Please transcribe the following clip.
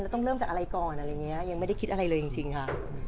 แล้วต้องเริ่มจากอะไรก่อนยังไม่ได้คิดอะไรเลยจริงค่ะ